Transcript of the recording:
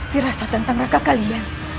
firasat tentang raka kalian